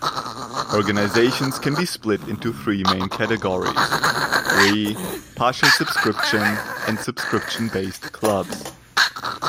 Organizations can be split into three main categories: free, partial subscription, and subscription-based clubs.